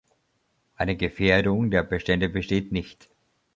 Eine Gefährdung der Bestände besteht nicht.